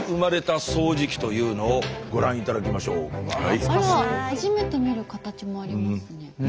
あら初めて見る形もありますね。